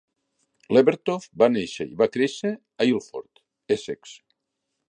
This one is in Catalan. Levertov va néixer i va créixer a Ilford, Essex.